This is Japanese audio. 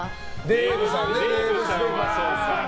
デーブさんね。